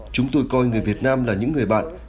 chúng tôi coi người việt nam là những người bạn